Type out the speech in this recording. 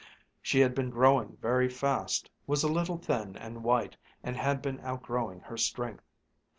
She had been growing very fast, was a little thin and white, and had been outgrowing her strength.